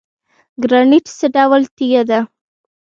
ګرانیټ څه ډول تیږه ده؟